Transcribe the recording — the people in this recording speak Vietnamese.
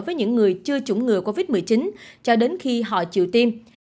với những người chưa chủng ngừa covid một mươi chín cho đến khi họ chịu tiêm